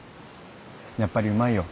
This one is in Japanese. やっぱりうまいよ。